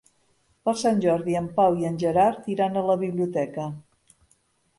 Per Sant Jordi en Pau i en Gerard iran a la biblioteca.